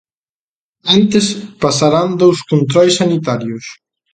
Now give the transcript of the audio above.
Antes, pasarán dous controis sanitarios.